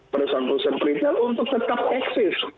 perusahaan perusahaan retail untuk tetap eksis